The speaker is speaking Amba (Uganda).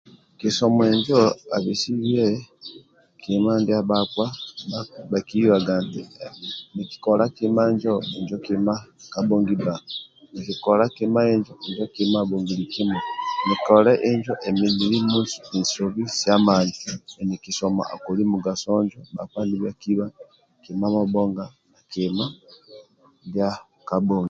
Kisomo injo abisibe kima ndia bhakpa bhakibaga nti nkikola kima injo injo kima kabhongi bba nkikola kima injo kima abhongili kimui Nikole injo emi kisomo akoli mugaso njo bhakpa nibhakiba kima amabhonga na ndia kabhongi